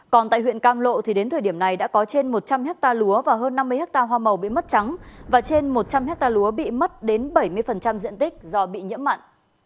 còn tại huyện cam lộ thì đến thời điểm này đã có trên một trăm linh hectare lúa và hơn năm mươi hectare hoa màu bị mất trắng và trên một trăm linh hectare lúa bị mất đến bảy mươi diện tích do bị nhiễm mặn